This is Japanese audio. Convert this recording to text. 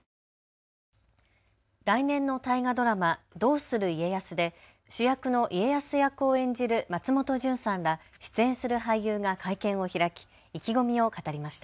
来年の大河ドラマ、どうする家康で主役の家康役を演じる松本潤さんらが出演する俳優が会見を開き意気込みを語りました。